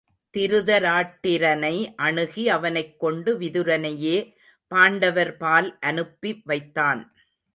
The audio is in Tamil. திருதராட்டிரனை அணுகி அவனைக் கொண்டு விதுரனையே பாண்டவர் பால் அனுப்பி வைத்தான்.